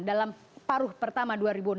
dalam paruh pertama dua ribu enam belas